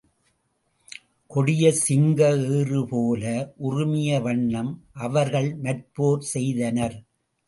கொடிய சிங்க ஏறுபோல உறுமிய வண்ணம் அவர்கள் மற்போர் செய்தனர்.